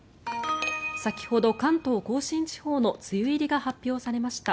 先ほど関東・甲信地方の梅雨入りが発表されました。